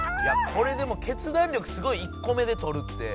これでも決断力すごい１こ目でとるって。